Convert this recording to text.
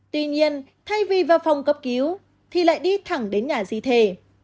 tuy nhiên thay vì vào phòng cấp cứu thì lại đi thẳng đến nhà di thể